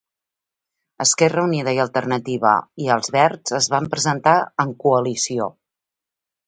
EUiA i Els Verds es van presentar en coalició.